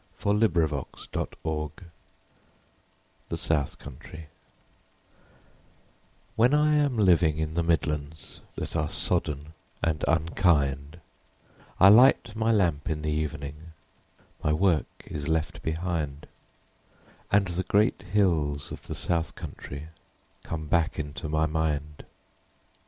27 HILAIRE BELLOC THE SOUTH COUNTRY When I am living in the Midlands That are sodden and unkind, I light my lamp in the evening : My work is left behind ; And the great hills of the South Country Come back into my mind.